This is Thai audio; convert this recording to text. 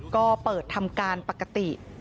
ก็เปิดทำการปกติ